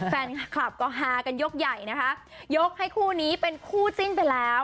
แฟนคลับก็ฮากันยกใหญ่นะคะยกให้คู่นี้เป็นคู่จิ้นไปแล้ว